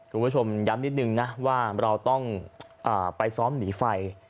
คุณผู้ชมย้ำนิดนึงนะว่าเราต้องไปซ้อมหนีไฟ